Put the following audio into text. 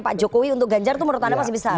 pak jokowi untuk ganjar itu menurut anda masih besar